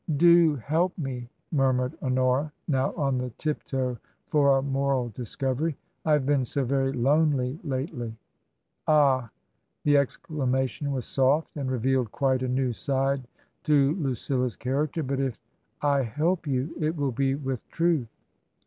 " Do help me !" murmured Honora, now on the tiptoe for a moral discovery. "I have been so very lonely lately." " Ah !" The exclamation was soft, and revealed quite a new side to Lucilla's character. " But if I help you it will be with truth."